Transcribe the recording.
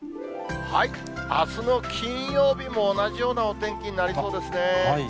あすの金曜日も同じようなお天気になりそうですね。